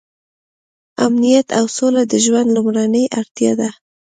امنیت او سوله د ژوند لومړنۍ اړتیا ده.